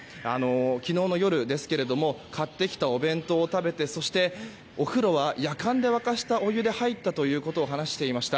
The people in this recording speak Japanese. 昨日の夜買ってきたお弁当を食べてそして、お風呂はやかんで沸かしたお湯で入ったということを話していました。